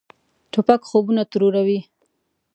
توپک خوبونه تروروي.